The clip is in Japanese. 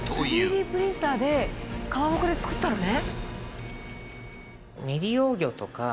３Ｄプリンターでかまぼこで作ったのね。